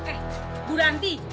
eh bu ranti